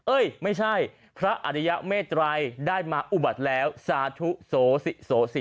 ไม่ใช่พระอริยเมตรัยได้มาอุบัติแล้วสาธุโสสิ